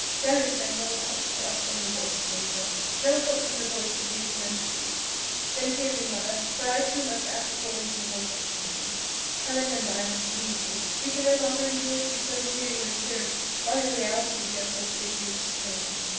"There is, then, no hope for us from the voice of nature, no hope from the voice of reason and of truth? Then hear me, mother, for I too must act according to the voice of conscience. Helen and I must leave you; we can no longer endure to be so near you in appearance, while in reality we are so fearfully estranged.